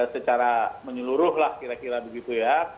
secara menyeluruh lah kira kira begitu ya